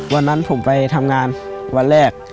วันนั้นผมไปทำงานวันแรก